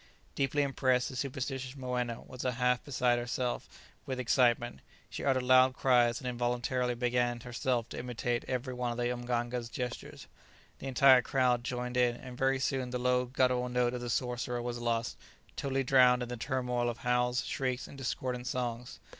Deeply impressed, the superstitious Moena was half beside herself with excitement; she uttered loud cries and involuntarily began herself to imitate every one of the mganga's gestures. The entire crowd joined in, and very soon the low guttural note of the sorcerer was lost, totally drowned in the turmoil of howls, shrieks, and discordant songs.